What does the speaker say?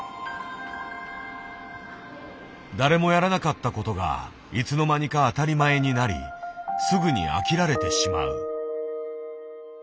誰もやらなかった事がいつの間にか当たり前になりすぐに飽きられてしまう。